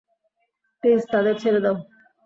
Please তাদের ছেড়ে দাও।